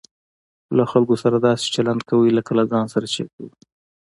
له خلکو سره داسي چلند کوئ؛ لکه له ځان سره چې کوى.